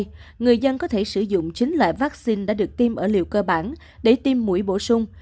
trong thời gian này người dân có thể sử dụng chín loại vaccine đã được tiêm ở liều cơ bản để tiêm mũi bổ sung